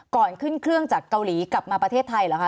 ก่อนขึ้นเครื่องจากเกาหลีกลับมาประเทศไทยเหรอคะ